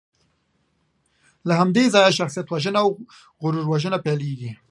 له همدې ځایه شخصیتوژنه او غرور وژنه پیلېږي.